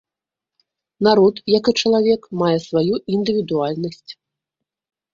Народ, як і чалавек, мае сваю індывідуальнасць.